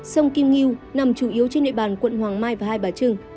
sông kim nghiêu nằm chủ yếu trên địa bàn quận hoàng mai và hai bà trưng